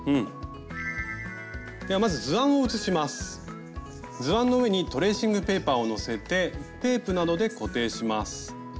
ではまず図案の上にトレーシングペーパーをのせてテープなどで固定します。